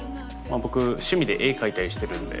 僕趣味で絵描いたりしてるんで。